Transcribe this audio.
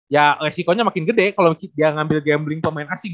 ya resikonya makin gede kalau dia ngambil gambling pemain asing